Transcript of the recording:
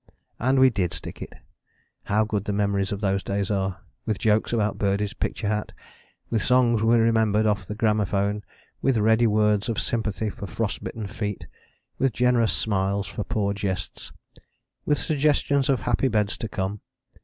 And we did stick it. How good the memories of those days are. With jokes about Birdie's picture hat: with songs we remembered off the gramophone: with ready words of sympathy for frost bitten feet: with generous smiles for poor jests: with suggestions of happy beds to come.